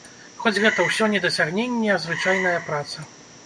Хоць гэта ўсё не дасягненні, а звычайная праца.